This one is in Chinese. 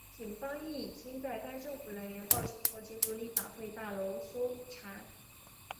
警方亦已经在该政府人员报警后进入立法会大楼搜查。